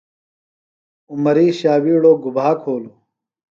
عمری شاویڑو گُبھا کھولو؟